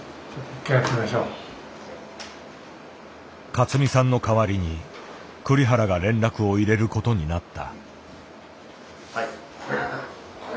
勝美さんの代わりに栗原が連絡を入れることになった。